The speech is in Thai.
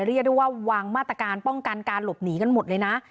เรียกได้ว่าวางมาตรการป้องกันการหลบหนีกันหมดเลยนะ